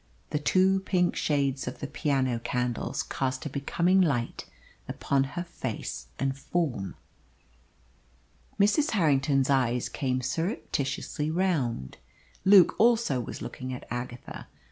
The two pink shades of the piano candles cast a becoming light upon her face and form. Mrs. Harrington's eyes came surreptitiously round. Luke also was looking at Agatha.